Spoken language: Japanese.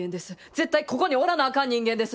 絶対ここにおらなあかん人間です。